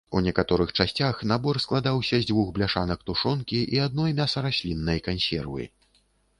У некаторых часцях набор складаўся з дзвюх бляшанак тушонкі і адной мясарасліннай кансервы.